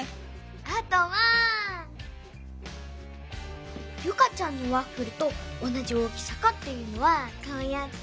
あとはユカちゃんのワッフルとおなじ大きさかっていうのはこうやって。